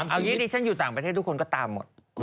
เอาอย่างนี้ดิฉันอยู่ต่างประเทศทุกคนก็ตามหมด